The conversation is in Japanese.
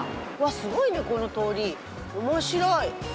すごいねこの通り面白い！